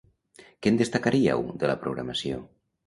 Què en destacaríeu, de la programació?